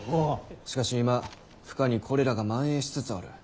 しかし今府下にコレラが蔓延しつつある。